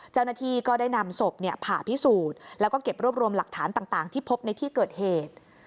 เจ้าหน้าที่ก็ได้นำศพผ่าพิสูจน์แล้วก็เก็บรวบรวมหลักฐานต่างที่พบในที่เกิดเหตุ